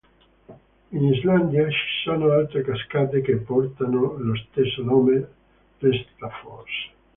In Islanda ci sono altre cascate che portano lo stesso nome Réttarfoss.